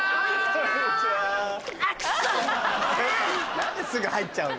何ですぐ入っちゃうの。